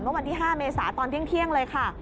เมื่อวันที่๕เมษาตอนเที่ยงเลยค่ะ